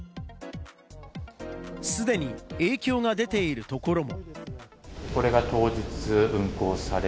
すでに影響が出ているところも。